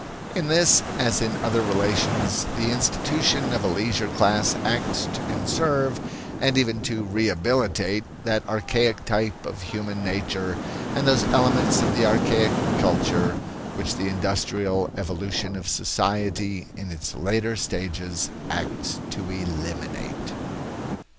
In this as in other relations, the institution of a leisure class acts to conserve, and even to rehabilitate, that archaic type of human nature and those elements of the archaic culture which the industrial evolution of society in its later stages acts to eliminate.